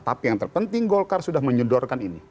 tapi yang terpenting golkar sudah menyedorkan ini